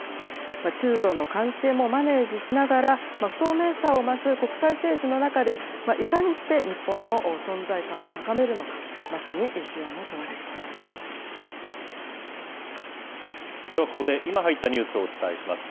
中ロの関係もマネージしながら、不透明さを増す国際政治の中で、いかにして日本の存在感を高めるのか、ではここで、今入ったニュースをお伝えします。